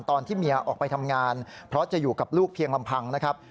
ตอนที่เมียออกไปทำงานเพราะจะอยู่กับลูกเพียงลำพังนะครับ